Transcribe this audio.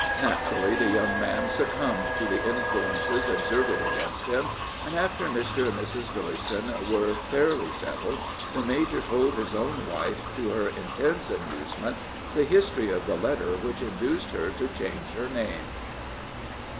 Naturally, the young man succombed to the influences exerted against him, and, after Mr. and Mrs. Doyson were fairly settled, the major told his own wife, to her intense amusement, the history of the letter which induced her to change her name.